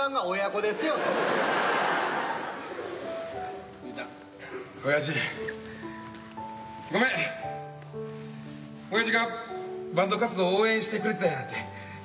おやじがバンド活動を応援してくれてたやなんて。